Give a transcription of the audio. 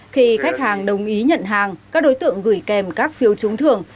khi khách hàng đồng ý nhận hàng các đối tượng gửi kèm các phiếu trúng thường